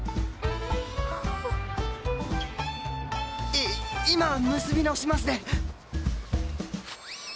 い今結び直しますね。